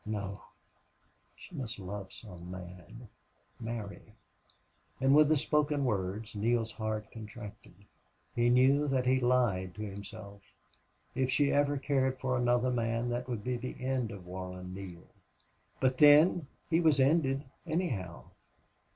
No! She must love some man marry " And with the spoken words Neale's heart contracted. He knew that he lied to himself. If she ever cared for another man, that would be the end of Warren Neale. But then, he was ended, anyhow.